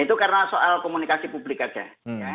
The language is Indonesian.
itu karena soal komunikasi publik saja